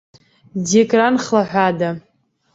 Дикран хлаҳәада!